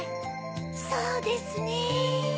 そうですね。